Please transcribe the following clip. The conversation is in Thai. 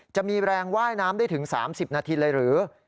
จะมีแรงว่ายน้ำได้ถึง๓๐นาทีเลยหรือ